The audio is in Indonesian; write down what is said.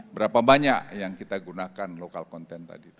berapa banyak yang kita gunakan lokal content tadi